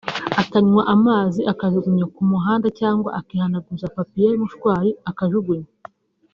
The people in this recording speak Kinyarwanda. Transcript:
akanywa amazi akajugunya ku muhanda cyangwa akihanagura na papier mouchoir akajugunya